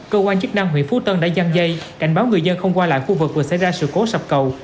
cơ quan chức năng huyện phú tân đã gian dây cảnh báo người dân không qua lại khu vực vừa xảy ra sự cố sập cầu